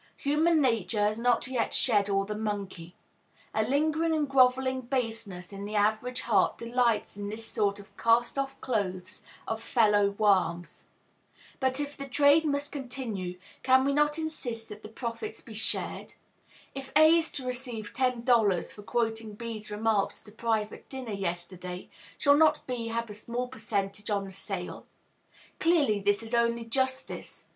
Human nature has not yet shed all the monkey. A lingering and grovelling baseness in the average heart delights in this sort of cast off clothes of fellow worms. But if the trade must continue, can we not insist that the profits be shared? If A is to receive ten dollars for quoting B's remarks at a private dinner yesterday, shall not B have a small percentage on the sale? Clearly, this is only justice.